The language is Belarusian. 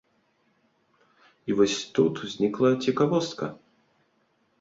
І вось тут узнікла цікавостка.